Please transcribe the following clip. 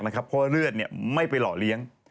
เพราะว่าเลือดไม่ไปหล่อเลี้ยง